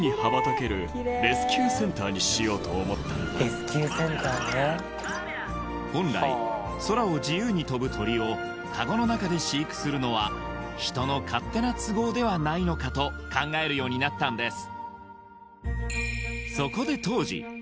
インコたちが本来空を自由に飛ぶ鳥をカゴの中で飼育するのは人の勝手な都合ではないのかと考えるようになったんです